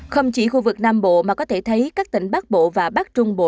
không chỉ khu vực nam bộ mà có thể thấy các tỉnh bắc bộ và bắc trung bộ